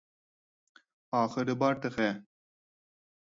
ئاخىرى بار تېخى!